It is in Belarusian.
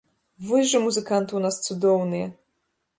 Вось жа музыканты ў нас цудоўныя!